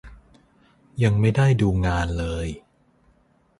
ยังไม่ได้ดูงานเลย